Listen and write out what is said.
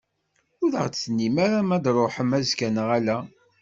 Ur aɣ-d-tennim ara ma ad d-truḥem azekka neɣ ala?